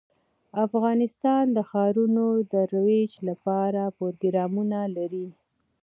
افغانستان د ښارونو د ترویج لپاره پروګرامونه لري.